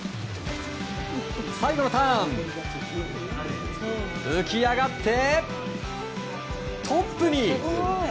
最後のターン浮き上がってトップに。